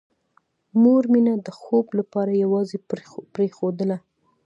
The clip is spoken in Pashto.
مور مينه د خوب لپاره یوازې پرېښودله